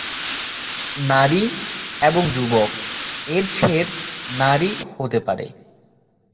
"নারী" এবং "যুবক" এর ছেদ "নারী" হতে পারে।